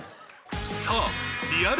さあリアル